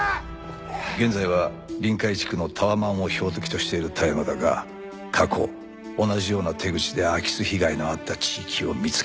現在は臨海地区のタワマンを標的としている田山だが過去同じような手口で空き巣被害のあった地域を見つけた。